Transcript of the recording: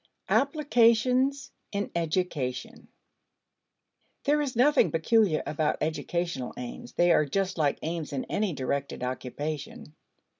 Applications in Education. There is nothing peculiar about educational aims. They are just like aims in any directed occupation.